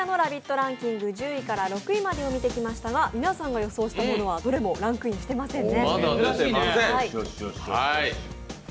ランキング１０位から６位までを見てきましたが皆さんが予想したものはどれもランクインしていませんね。